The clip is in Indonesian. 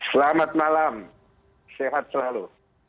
selamat malam sehat selalu